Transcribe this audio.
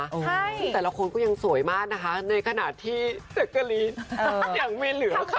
ใช่คุณแต่ละคนก็ยังสวยมากนะคะในขณะที่สกรีนอย่างมีเหลือค่ะ